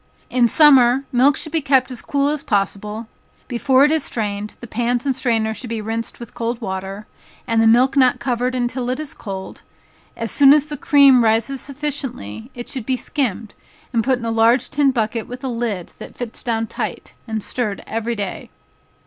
In summer, milk should be kept as cool as possible; before it is strained, the pans and strainer should be rinsed with cold water, and the milk not covered until it is cold, as soon as the cream rises sufficiently, it should be skimmed, and put in a large tin bucket with a lid that fits down tight, and stirred every day.